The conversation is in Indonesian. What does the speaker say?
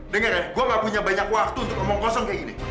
dengar ya gue gak punya banyak waktu untuk ngomong kosong kayak gini